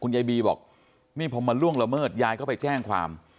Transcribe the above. คุณยายบีบอกพอล่วงละเมิดยายก็ไปแจ้งความ